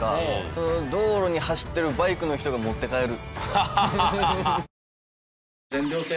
その道路に走ってるバイクの人が持って帰る。